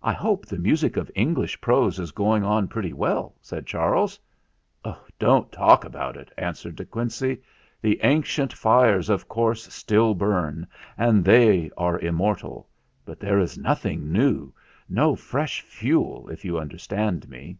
"I hope the music of English prose is going on pretty well," said Charles. "Don't talk about it," answered De Quincey. "The ancient fires of course still burn, and they are immortal; but there is nothing new no fresh fuel, if you understand me."